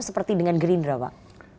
seperti dengan gerindra pak